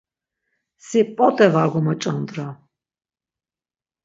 Si p̌ot̆e var gomoç̌ondra.